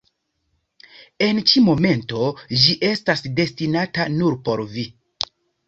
En ĉi momento ĝi estas destinata nur por vi.